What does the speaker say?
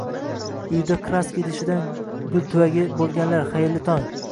Uyida краска idishidan gultuvagi bo'lganlar, xayrli tong!